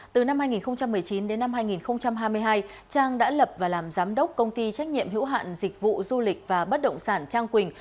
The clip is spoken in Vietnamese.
từ năm hai nghìn một mươi chín đến năm hai nghìn hai mươi hai trang đã lập và làm giám đốc công ty trách nhiệm hữu hạn dịch vụ du lịch và bất động sản trang quỳnh